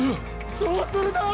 どうするだぁ！？